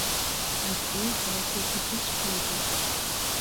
A vida é feita de escolhas.